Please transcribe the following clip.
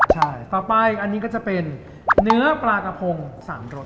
ต่อต่ออันนี้เป็นเนื้อปลากระพงสามรส